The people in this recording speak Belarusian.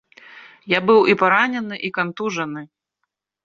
Я быў і паранены, і кантужаны.